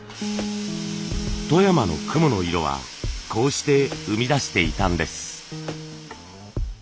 富山の雲の色はこうして生み出していたんです。